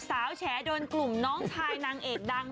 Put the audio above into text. แฉโดนกลุ่มน้องชายนางเอกดัง